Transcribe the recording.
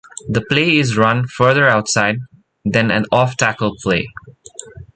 The play is run further outside than an off tackle play.